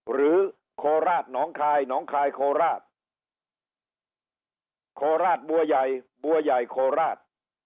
หรือโคลาสหนองคลายหนองคลายโคลาสโคลาสบัวใหญ่บัวใหญ่โคลาส